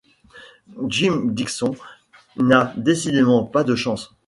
Jim Dixon n'a décidément pas de chance.